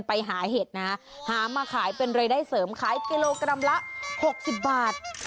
ไปหาเห็ดนะหามาขายเป็นรายได้เสริมขายกิโลกรัมละ๖๐บาท